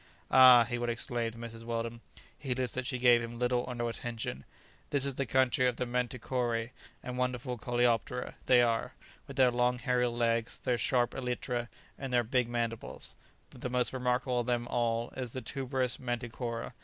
"Ah," he would exclaim to Mrs. Weldon, heedless that she gave him little or no attention, "this is the country of the manticoræ, and wonderful coleoptera they are, with their long hairy legs, their sharp elytra and their big mandibles; the most remarkable of them all is the tuberous manticora.